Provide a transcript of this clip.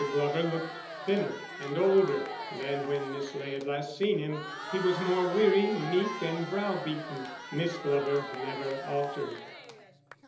Glover looked thinner and older than when Miss Ley had last seen him; he was more weary, meek and brow beaten; Miss Glover never altered.